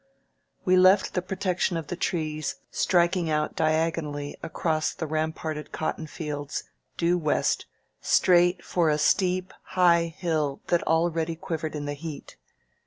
We left the protection of the trees, striking out diagonally across the ramparted cotton fields, due west, straight for a steep, high hiU that already quivered in the heat.